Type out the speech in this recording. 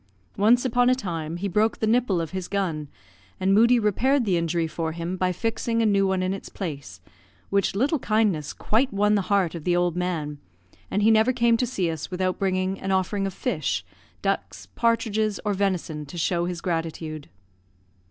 Once upon a time, he broke the nipple of his gun; and Moodie repaired the injury for him by fixing a new one in its place, which little kindness quite won the heart of the old man, and he never came to see us without bringing an offering of fish, ducks, partridges, or venison, to show his gratitude.